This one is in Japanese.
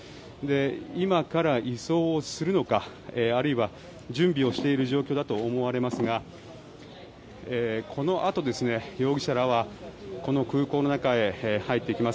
今から移送するのかあるいは準備をしている状況だと思われますがこのあと、容疑者らはこの空港の中へ入っていきます。